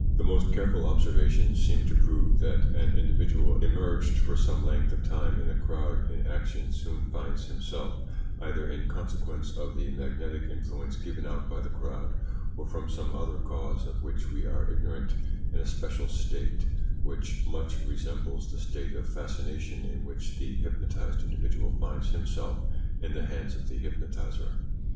The most careful observations seem to prove that an individual immerged for some length of time in a crowd in action soon finds himself either in consequence of the magnetic influence given out by the crowd, or from some other cause of which we are ignorant in a special state, which much resembles the state of fascination in which the hypnotised individual finds himself in the hands of the hypnotiser.